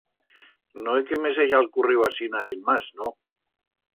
No é que me s'heiga alcurriu asinas sin mas, no.